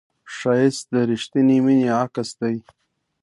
ښایست د رښتینې مینې عکس دی